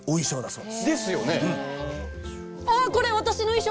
そう。